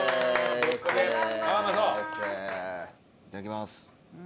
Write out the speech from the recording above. いただきます。